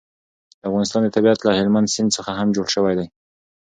د افغانستان طبیعت له هلمند سیند څخه هم جوړ شوی دی.